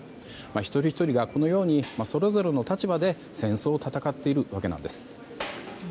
一人ひとりがそれぞれの立場で戦争を戦っているわけなんです。